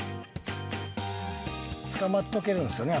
［つかまっとけるんすよね